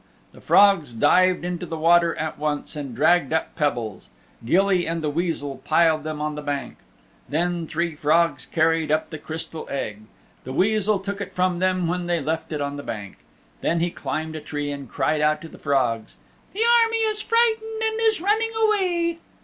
The frogs dived into the water at once and dragged up pebbles. Gilly and the Weasel piled them on the bank. Then three frogs carried up the Crystal Egg. The Weasel took it from them when they left it on the bank. Then he climbed a tree and cried out to the frogs, "The army is frightened and is running away."